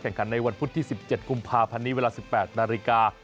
ขันในวันพุธที่๑๗กุมภาพันธ์นี้เวลา๑๘นาฬิกา